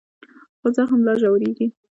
خو زخم لا ژورېږي.